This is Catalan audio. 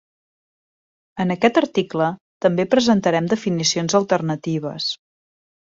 En aquest article també presentarem definicions alternatives.